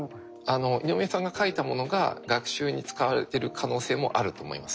井上さんが書いたものが学習に使われてる可能性もあると思いますね。